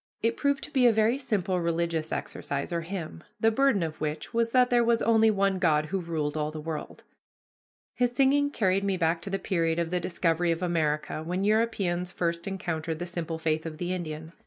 It proved to be a very simple religious exercise or hymn, the burden of which was that there was only one God who ruled all the world. His singing carried me back to the period of the discovery of America, when Europeans first encountered the simple faith of the Indian.